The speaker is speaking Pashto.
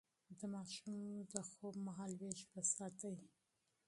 د ماشوم د خوب مهالويش وساتئ.